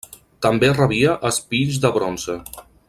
També rebia espills de bronze.